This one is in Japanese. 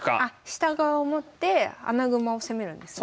下側を持って穴熊を攻めるんですね。